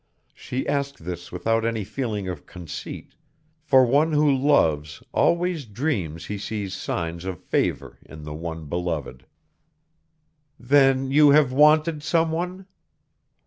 She asked this without any feeling of conceit, for one who loves always dreams he sees signs of favor in the one beloved. "Then you have wanted some one?"